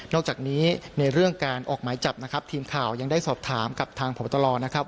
อกจากนี้ในเรื่องการออกหมายจับนะครับทีมข่าวยังได้สอบถามกับทางพบตรนะครับ